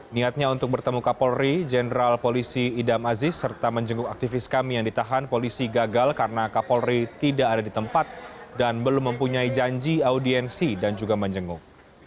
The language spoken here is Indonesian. niatnya untuk bertemu kapolri jenderal polisi idam aziz serta menjenguk aktivis kami yang ditahan polisi gagal karena kapolri tidak ada di tempat dan belum mempunyai janji audiensi dan juga menjenguk